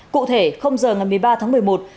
cụ thể giờ ngày một mươi ba tháng một mươi một